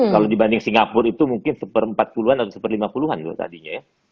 kalau dibanding singapura itu mungkin satu per empat puluh an atau satu per lima puluh an